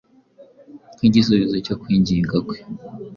Nk’igisubizo cyo kwinginga kwe,